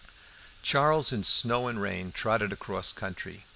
Charles in snow and rain trotted across country.